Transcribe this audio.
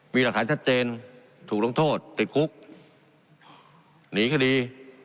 มีหลักฐานชัดเจนถูกลงโทษติดคุกหนีคดี